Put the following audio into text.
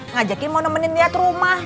ngajakin mau nemenin lihat rumah